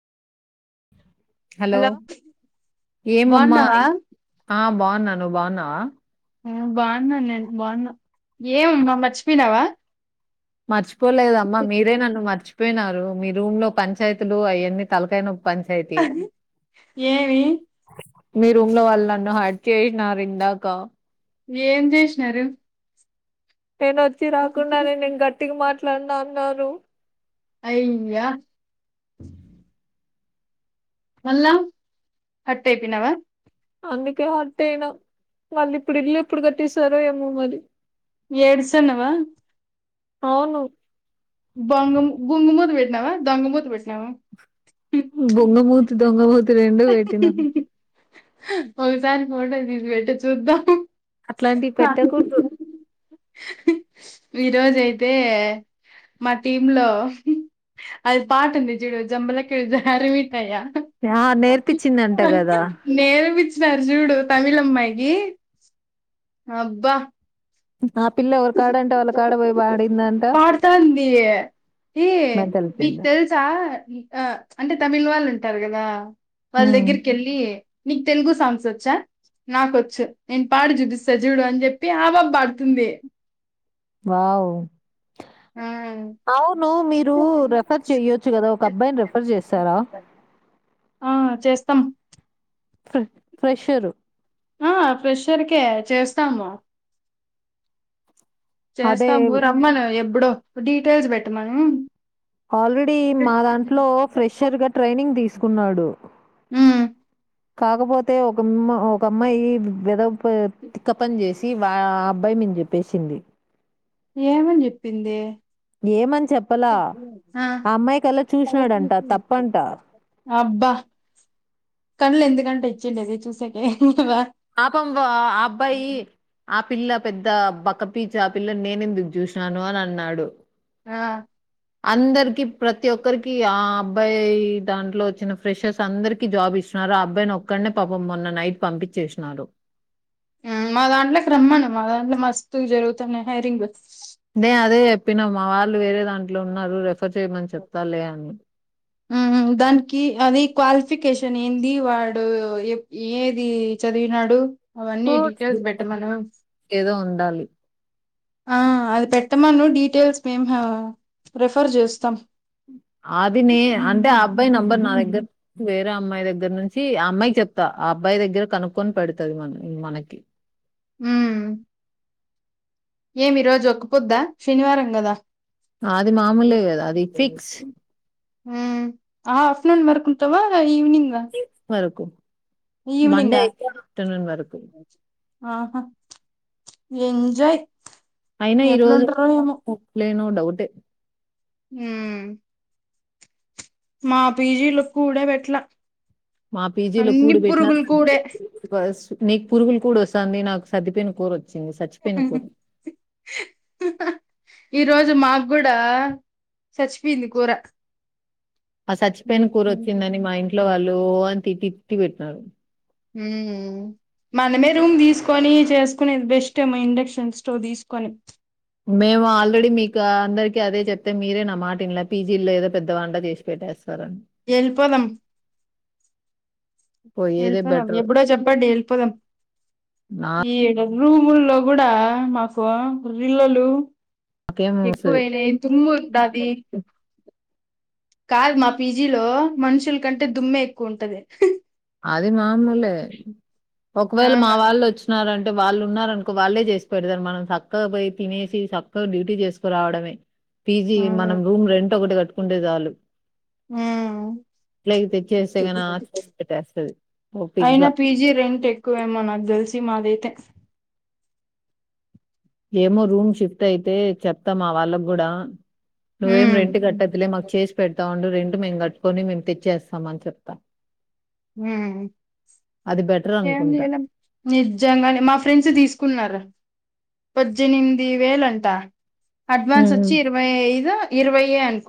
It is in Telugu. హలో ఏమమ్మా బాగున్నావా ఆ బాగున్న నువ్వు బాగున్నావా బాగున్నాను నేను బాగున్నా ఏం మమ్మ మర్చిపోయినావా మర్చిపోలేదమ్మా మీరే నన్ను మర్చిపోయినారు మీరు రూమ్ లో పంచాయతీలు అవన్నీ తలకై నొప్పి పంచాయతీ ఏమి మీ రూమ్ లో వాళ్ళన్ను హర్ట్ చేసినారు ఇందాక ఏం చేసినారు నేను వచ్చి రాకుండా నే నేను గట్టిగా మాట్లాడిన అన్నారు అయి యా మళ్ల్ళా హర్ట్ అయ్ పోయినవ అందుకే హట్ అయినా వాళ్ళు ఇప్పుడు ఇల్లు ఎప్పుడు కట్టిస్తారో ఏమో మరి ఏడ్సనవా అవును బొంగ బొంగమత్ భేట్నావా దొంగముత్ భేట్నావా బొంగమూతి దొంగమూతి రెండు పెట్టి నా ఒక సారి ఫోటో తీసి పెట్టు చూద్దాం. అట్లాంటివి పెట్టకూడదు. ఈ రోజు అయితే మా టీమ్ లో అది పాట ఉంది జూడు జంబ లక జారి మీ కయా ఆ, నేర్పించిందంట కదా నేరపిచ్చినారు చూడు తమిలమ్మాయికి ఆ పిల్ల ఎవరి కాడంటే వాళ్ళ కాడ పోయి పాడిందంట పాడుతంది ఎ మెంటల్ పిల్ల మేక్తెల్సా ఆ అంటే తమిళ వాళ్ళు ఉంటారు కదా వాళ్ళ ఉమ్. దగ్గరికి వెళ్ళి నీకు తెలుగు సాంగ్స్ వచ్చా నాకొచ్చు నేను పాడి జూపిస్తా జూడు అని చెప్పి ఆపాప పాడుతుంది వావ్ ఆ అవును మీరు రెఫర్ చెయ్యొచ్చు కదా ఒక అబ్బాయిని రెఫర్ చేసరా ఆ చేస్తాం ఫ్ర ఫ్రెషరు ఆ ఫ్రెషర్కే చేస్తాము అదే చేస్తాము రమ్మను ఎప్పుడో డీటెయిల్స్ పెట్టమను ఆల్రెడీ మా దాంట్లో ఫ్రెషర్ గా ట్రైనింగ్ తీసుకున్నాడు ఉమ్ కాకపోతే ఒకమ్మ ఒక అమ్మాయి వెద తిక్క పని చేసి వా ఆ అబ్బాయి మీము చెప్పేసింది ఏమని చెప్పింది ఏమని చెప్పలా ఆ అమ్మాయికల్లా చూసినాడంట తప్పంట కండ్లు ఎందుకంటే ఇచ్చేండేది చూసెకె ఆపం వా ఆ అబ్బాయి ఆ పిల్ల పెద్ద బకపీచ్ ఆ పిల్లని నేనెందుకు చూసినాను అని అన్నాడు ఆ అందరికి ప్రతి ఒక్కరికి ఆ అబ్బాయి దాంట్లో వచ్చిన ఫ్రెషర్స్ అందరికి జాబ్ ఇ నార ఆ అబ్బాయిని ఒక్కన్నే పాపం మొన్న నైట్ పంపించేసినారు ఉమ్ మా దాంట్లోకి రమ్మను మా దాంట్లో మస్తు జరుగుతున్నాయి హయిరింగ్ ప్పిన మా వాళ్ళు వేరే దాంట్లో ఉన్నారు రెఫర్ చేయమని చెప్తా లే అన్నా ఉమ్ దానికి అది క్వాలిఫికేషన్ ఏంది వాడు ఎప్ ఏది చదివినాడు అవన్నీ డీటెయిల్స్ పెట్టమను ఏదో ఉండాలి ఆ అది పెట్టమను డీటెయిల్స్ మేము రెఫర్ చేస్తాం అది నే అంటే ఆ అబ్బాయి నంబర్ నా దగ్గర వే ర అమ్మాయి దగ్గర నుంచి ఆ అమ్మాయి చెప్తా ఆ అబ్బాయి దగ్గర కనుక్కొని పెడుతది మన మనకి ఉం ఏమి రోజు ఒక పొద్దా శనివారం కదా అది మామూలే కదా అది ఫిక్స్ ఉమ్ ఆహా ఆఫ్టర్నూన్ వరకు ఉంటావా ఈవినింగ్ వరకు మండే ఈవినింగా అయితే ఆఫటర్నూన్ వరకు ఆహా ఎంజాయ్ అయినా ఎట్లుంటారో ఏమో ఈరోజులేనో డౌటే ఉమ్ మా పీజీలు కూడా పెట్లా మా పీజీలో అన్ని కూడి పెట్టిన పురుగులు కూడే ఫస్ నీకు పురుగులు కూడా వస్తంది నాకు సద్దిపోయిన కోర చ్చింది సచ్చి పెన కూ ఈ రోజు మాకు కూడా చచ్చిపోయింది కూర ఆ చచ్చిపోయిన కూర వచ్చిందని మా ఇంట్లో వాళ్ళు ఓ అని తిటి తిట్టి పెట్టినారు ఉమ్ మనమే రూమ్ తీసుకొని చేసుకునేది బెస్ట్ ఏమో ఇండక్షన్ స్టవ్ తీసుకొని మేము ఆల్రెడీ మీకు అందరికి అదే చెప్తే మీరే నా మాటిన్లే పీజీలో ఏదో పెద్ద వంట చేసి పెట్టేస్తారు ఏళ్పదం పోయేదే ఏళ్పదం బెటర్ ఎప్పుడో చెప్పండి ఏళ్పదం ఈ ఏడా రూముల్లో కూడా మాకు రిల్లలు నాకేం వస్తుంది ఎక్కువేలే తుము ఉంటది కాదు మా పీజీలో మనుషుల కంటే దుమ్మే ఎక్కువ ఉంటది అది మామూలే ఆ ఒకవేళ మా వాళ్ళు వచ్చినారంటే అంటే వాళ్ళు ఉన్నారనుకో వాళ్ళే చేసి పెడతారు మనం చక్కగా పో తినేసి చక్కగా డ్యూటీ చేసుకురావడమే పీజీ ఆ, మనం ఉమ్ రూమ్ రెంట్ ఒకటి కట్టుకుంటే చాలు ఎట్లాయి తేచేస్తే కన అయినా పీజీ రెంట్ ఎక్కువేమో నాకు తెలిసి మాదైతే ఏమో రూమ్ షిఫ్ట్ అయితే చెప్తాం ఆ వాళ్ళకు కూడా నువ్వేం ఉమ్ రెంట్ కట్టద్లే మాకు చేసి పెడ్టావుండు రెంట్ మేము కట్టుకొని మేము తెచ్చసమాన్ చెప్టా హ్మ్ ఏం అనుకుంటా చేలే నిజంగానే మా ఫ్రెండ్స్ తీసుకున్నారు పద్దన్మిది వేళంటా అడ్వాన్స్ ఉమ్ వచ్చి ఇరవై ఐదు ఇరవై యె అనుకు